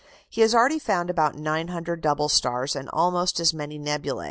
He has already found about 900 double stars, and almost as many nebulæ.